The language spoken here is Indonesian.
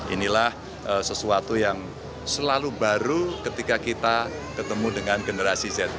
inilah sesuatu yang selalu baru ketika kita ketemu dengan generasi z